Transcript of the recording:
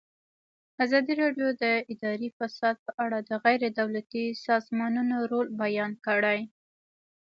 ازادي راډیو د اداري فساد په اړه د غیر دولتي سازمانونو رول بیان کړی.